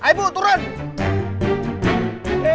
hanya di sana ya